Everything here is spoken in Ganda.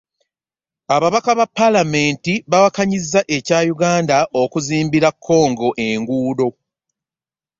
Ababaka ba Paalamenti bawakanyizza ekya Uganda okuzimbira Congo enguudo